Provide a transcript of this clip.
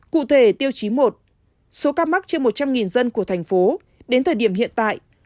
cụ thể tiêu chí một số ca mắc trên một trăm linh dân của thành phố đến thời điểm hiện tại